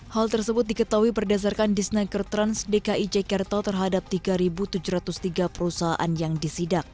hal tersebut diketahui berdasarkan disnaker trans dki jakarta terhadap tiga tujuh ratus tiga perusahaan yang disidak